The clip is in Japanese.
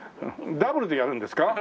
ダブルでやるんですか？